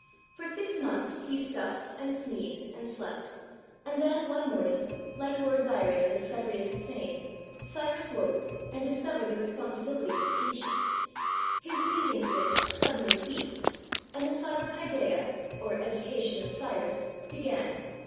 For six months he stuffed and sneezed and slept, and then, one morning, like Lord Byron and the discovery of his fame, Cyrus woke and discovered the responsibilities of kingship. His sneezing fits suddenly ceased, and the Cyropaidaia (or education of Cyrus) began.